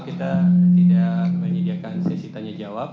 kita tidak menyediakan sesi tanya jawab